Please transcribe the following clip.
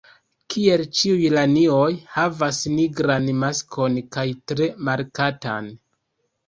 Kiel ĉiuj lanioj, havas nigran maskon kaj tre markatan.